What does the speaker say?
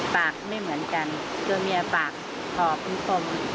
ปากไม่เหมือนกันตัวเมียปากหอมมีกลม